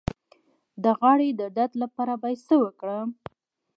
د غاړې د درد لپاره باید څه وکړم؟